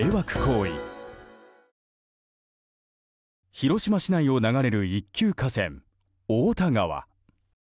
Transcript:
広島市内を流れる一級河川太田川。